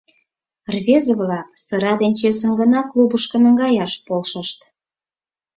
— Рвезе-влак сыра ден чесым гына клубышко наҥгаяш полшышт.